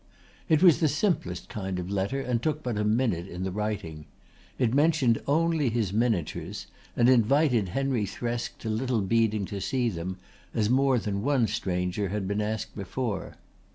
It was the simplest kind of letter and took but a minute in the writing. It mentioned only his miniatures and invited Henry Thresk to Little Beeding to see them, as more than one stranger had been asked before.